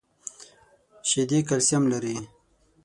شیدې کلسیم لري .